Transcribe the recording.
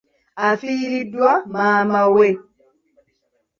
Afiiriddwa maama we.